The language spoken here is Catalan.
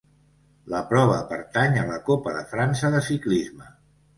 La prova pertany a la Copa de França de ciclisme.